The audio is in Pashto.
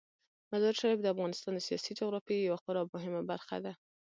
مزارشریف د افغانستان د سیاسي جغرافیې یوه خورا مهمه برخه ده.